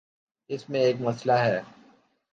اس میں ایک مسئلہ ہے۔